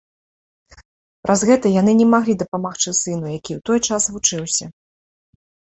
Праз гэта яны не маглі дапамагчы сыну, які ў той час вучыўся.